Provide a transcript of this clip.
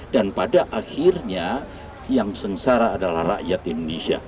dan pada akhirnya yang sengsara adalah rakyat indonesia